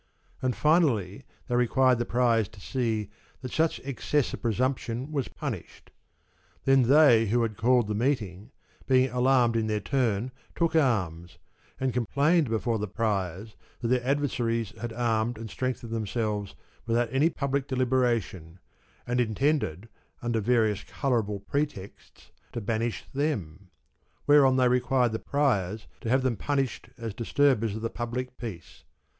And finally they required the Priors to see that such excess of presump tion was punished. Then they who had called the meeting, being alarmed in their turn, took arms, and complained before the Priors that their adversaries had armed and strengthened themselves without any public deliberation, and intended under various colourable pretexts to banish them ; whereon they required the Priors to have them punished as disturbers of the public peace.